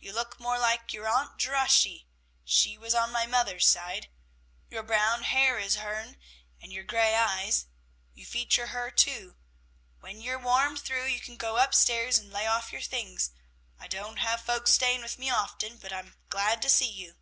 "You look more like your Aunt Jerushy; she was on my mother's side. Your brown hair is hern, and your gray eyes; you feature her too. When you're warm through, you can go up stairs and lay off your things. I don't have folks staying with me often, but I'm glad to see you."